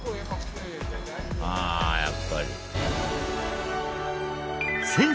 「ああやっぱり」